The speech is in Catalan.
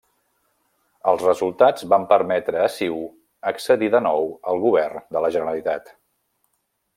Els resultats van permetre a CiU accedir de nou al Govern de la Generalitat.